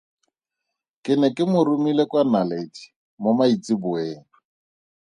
Ke ne ke mo romile kwa Naledi mo maitsiboeng.